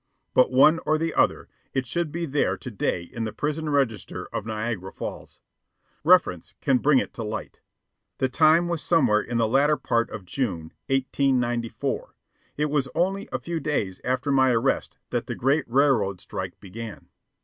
But one or the other, it should be there to day in the prison register of Niagara Falls. Reference can bring it to light. The time was somewhere in the latter part of June, 1894. It was only a few days after my arrest that the great railroad strike began.